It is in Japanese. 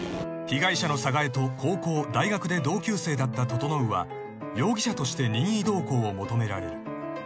［被害者の寒河江と高校大学で同級生だった整は容疑者として任意同行を求められる］